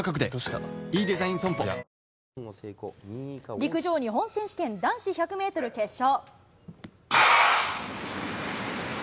陸上日本選手権男子１００メートル決勝。